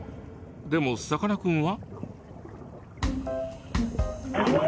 でもさかなクンは？